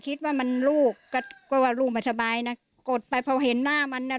คิดว่ามันลูกก็ว่าลูกไม่สบายนะกดไปพอเห็นหน้ามันน่ะ